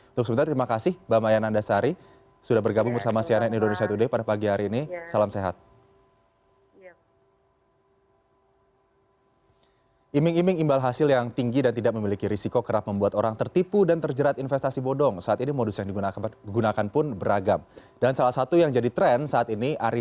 untuk sementara terima kasih mbak maya nandasari sudah bergabung bersama sianet indonesia today pada pagi hari ini